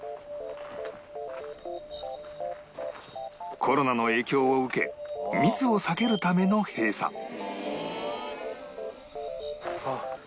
コロナの影響を受け密を避けるための閉鎖あっ！